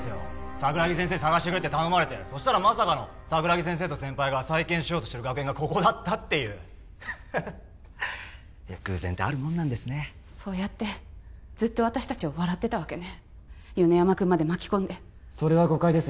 桜木先生捜してくれって頼まれてそしたらまさかの桜木先生と先輩が再建しようとしてる学園がここだったっていういや偶然ってあるもんなんですねそうやってずっと私達を笑ってたわけね米山君まで巻き込んでそれは誤解です